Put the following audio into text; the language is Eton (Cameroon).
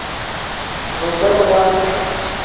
Ma gbele wass